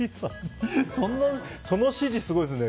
その指示すごいですね。